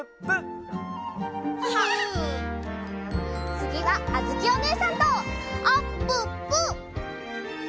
つぎはあづきおねえさんとあっぷっぷ！